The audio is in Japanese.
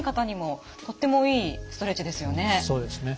そうですね。